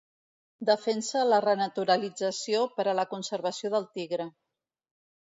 Defensa la renaturalització Per a la conservació del tigre.